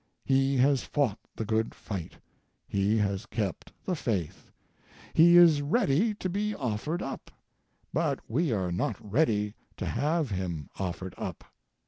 He has fought the good fight. He has kept the faith. He is ready to be offered up but we are not ready to have him offered up.